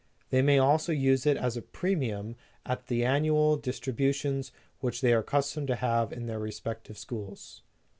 They may also use it as a premium at the annual Distributions which they are accustomed to have in their respec tive schools.